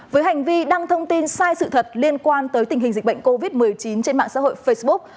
với hành vi đăng thông tin sai sự thật liên quan tới tình hình dịch bệnh covid một mươi chín trên mạng xã hội facebook